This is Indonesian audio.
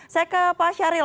saya ke pak syaril